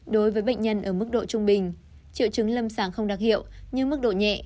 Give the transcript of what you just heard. đối với bệnh nhân ở mức độ trung bình triệu chứng lâm sàng không đặc hiệu nhưng mức độ nhẹ